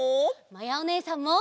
まやおねえさんも！